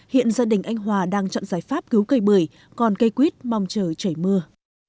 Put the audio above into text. hiện gia đình anh hòa đang chọn giải pháp cứu cây bưởi còn cây quýt mong chờ chảy mưa